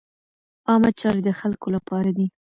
عامه چارې د خلکو له پاره دي.